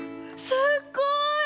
すっごい！